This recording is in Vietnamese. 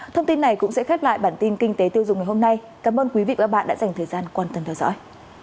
thông tin này cũng sẽ khép lại bản tin kinh tế tiêu dùng ngày hôm nay cảm ơn quý vị và các bạn đã dành thời gian quan tâm theo dõi